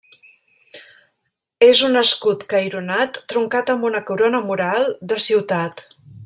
És un escut caironat truncat amb una corona mural de ciutat.